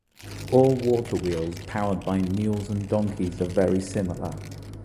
All waterwheels powered by mules and donkeys are very similar.